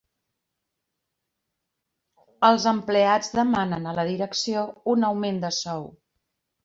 Els empleats demanen a la direcció un augment de sou.